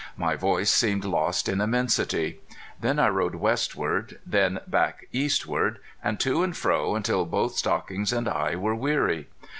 My voice seemed lost in immensity. Then I rode westward, then back eastward, and to and fro until both Stockings and I were weary.